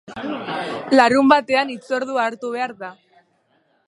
Larunbatetan hitzordua hartu behar da.